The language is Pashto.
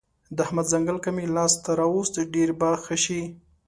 د احمد ځنګل که مې لاس ته راوست؛ ډېر به ښه شي.